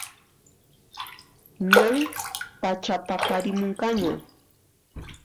Ñan pachapaqarimunqaña